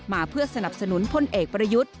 มาเพื่อสนับสนุนพลเอกประยุทธ์